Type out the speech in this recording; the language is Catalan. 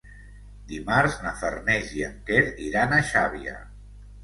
Dimarts na Farners i en Quer iran a Xàbia.